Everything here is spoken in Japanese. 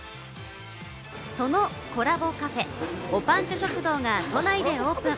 そのコラボカフェ・おぱんちゅ食堂が都内でオープン。